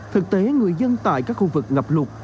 thực tế người dân tại các khu vực ngập lụt